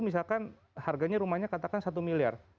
misalkan harganya rumahnya katakan satu miliar